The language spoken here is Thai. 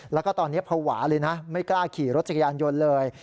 แล้วก็ตอนนี้ภาวะเลยนะไม่กล้าขี่รถจักรยานยนต์เลย